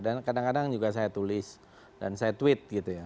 dan kadang kadang juga saya tulis dan saya tweet gitu ya